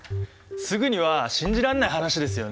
すぐには信じらんない話ですよね。